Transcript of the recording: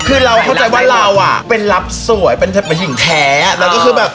คือเราเข้าใจว่าเราอ่ะเป็นรับสวยเป็นหญิงแท้แล้วก็คือแบบ